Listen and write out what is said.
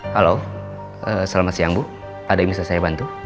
halo selamat siang bu ada yang bisa saya bantu